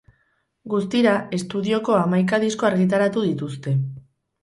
Guztira, estudioko hamaika disko argitaratu dituzte.